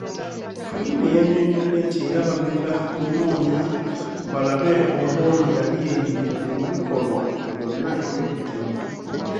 Twine yannyonnyodde nti era bagenda kunoonya balabe oba ono yali yeenyigiddeko mu bikolwa byonna eby'obutemu.